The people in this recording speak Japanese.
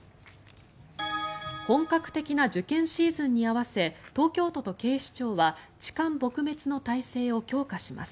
本格的な受験シーズンに合わせ東京都と警視庁は痴漢撲滅の体制を強化します。